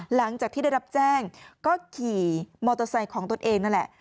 หลังจากที่ได้รับแจ้งก็ขี่มอเตอร์ไซค์ของตนเองนั่นแหละ